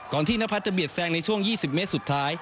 ก่อนที่น้ำคัตจะเบียดแซงในช่วง๒๐เมตรสุดท้าย